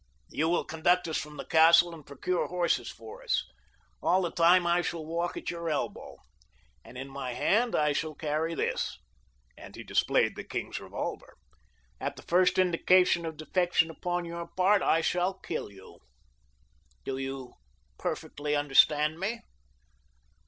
You will conduct us from the castle and procure horses for us. All the time I shall walk at your elbow, and in my hand I shall carry this," and he displayed the king's revolver. "At the first indication of defection upon your part I shall kill you. Do you perfectly understand me?"